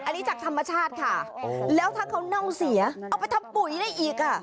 อันนี้จากธรรมชาติค่ะแล้วถ้าเขาเน่าเสียเอาไปทำปุ๋ยได้อีกอ่ะ